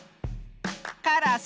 カラス。